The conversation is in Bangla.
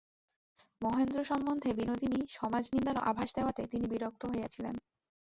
মহেন্দ্র সম্বন্ধে বিনোদিনী সমাজনিন্দার আভাস দেওয়াতে তিনি বিরক্ত হইয়াছিলেন।